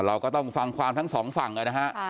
เราก็ต้องฟังความทั้งสองฝั่งนะฮะ